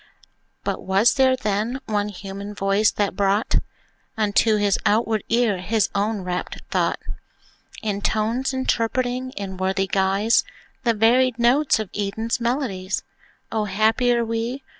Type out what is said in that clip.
But was there, then, one human voice that brought Unto his outward ear his own rapt thought, In tones, interpreting in worthy guise The varied notes of Eden's melodies? O, happier we!